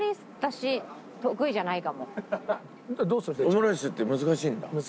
オムライスって難しいんだ。